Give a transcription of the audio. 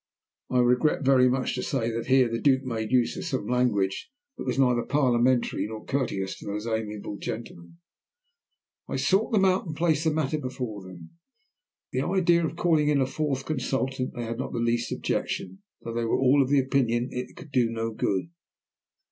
I regret very much to say that here the Duke made use of some language that was neither parliamentary nor courteous to those amiable gentlemen. I sought them out and placed the matter before them. To the idea of calling in a fourth consultant they had not the least objection, though they were all of the opinion that it could do no good.